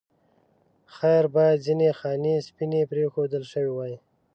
خیر باید ځینې خانې سپینې پرېښودل شوې وای.